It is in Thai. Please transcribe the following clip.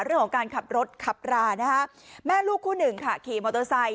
เรื่องของการขับรถขับรานะคะแม่ลูกคู่หนึ่งค่ะขี่มอเตอร์ไซค